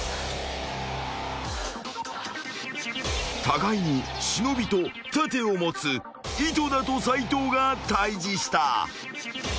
［互いに忍と盾を持つ井戸田と斉藤が対峙した］